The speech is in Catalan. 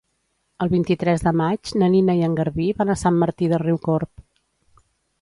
El vint-i-tres de maig na Nina i en Garbí van a Sant Martí de Riucorb.